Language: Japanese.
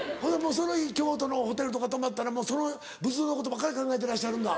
その日京都のホテルとか泊まったらもうその仏像のことばっかり考えてらっしゃるんだ。